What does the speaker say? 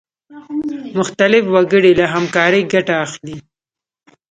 مختلف وګړي له همکارۍ ګټه اخلي.